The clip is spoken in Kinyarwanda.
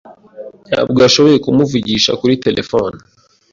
Ntabwo yashoboye kumuvugisha kuri terefone.